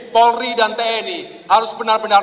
polri dan tni harus benar benar